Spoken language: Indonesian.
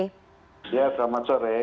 ya selamat sore